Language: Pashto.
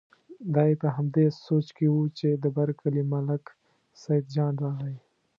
دی په همدې سوچ کې و چې د بر کلي ملک سیدجان راغی.